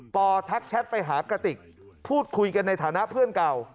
ปทักแชทไปหากระติกพูดคุยกันในฐานะเพื่อนเก่า